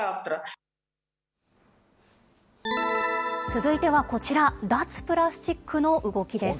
続いてはこちら、脱プラスチックの動きです。